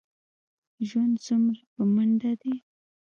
ژوند څومره په منډه دی.